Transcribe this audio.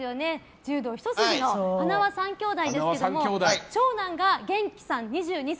柔道一筋のはなわ３兄弟ですけども長男が元輝さん２２歳。